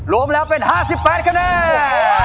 รวมแล้วเป็น๕๘คะแนน